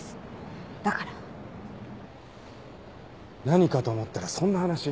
何かと思ったらそんな話？